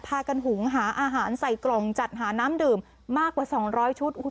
พากันหูหาอาหารใส่กล่องจัดหาน้ำดื่มมากกว่าสองร้อยชุดอุ๊ย